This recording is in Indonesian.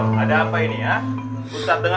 nanti kau mau nparti biasanya frente